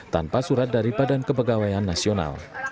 tanpa surat dari badan kepegawaian nasional